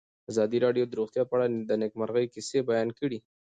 ازادي راډیو د روغتیا په اړه د نېکمرغۍ کیسې بیان کړې.